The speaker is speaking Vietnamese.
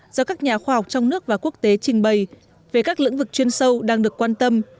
do các nhà khoa học trong nước và quốc tế trình bày về các lĩnh vực chuyên sâu đang được quan tâm